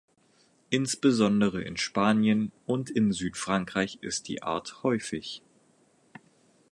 Insbesondere in Spanien und in Südfrankreich ist die Art häufig.